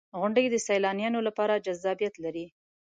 • غونډۍ د سیلانیانو لپاره جذابیت لري.